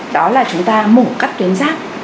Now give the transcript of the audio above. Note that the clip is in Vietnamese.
đó là chúng ta mổ cắt tuyến giáp